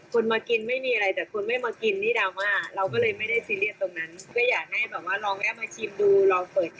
เพราะลูกค้าส่วนใหญ่ที่มาเขาก็บอกว่าไม่ใช่แค่ตรงปกเป็นเล่มเลย